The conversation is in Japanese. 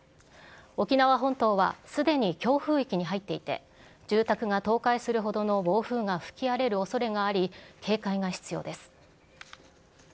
沖縄本島はすでに強風域に入っていて、住宅が倒壊するほどの暴風が吹き荒れるおそれがあり、警戒が必要です。